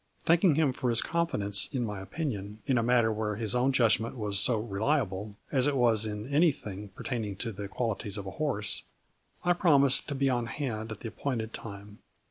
Thanking him for his confidence in my opinion in a matter where his own judgment was so reliable, as it was in any thing pertaining to the qualities of a horse, I promised to be on hand at the appointed time.